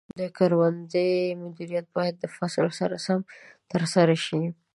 د کروندې مدیریت باید د فصل سره سم ترسره شي.